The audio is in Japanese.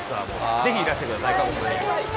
ぜひいらしてください、鹿児島に。